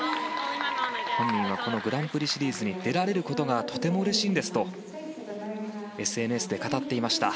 本人はこのグランプリシリーズに出られることがとてもうれしいんですとＳＮＳで語っていました。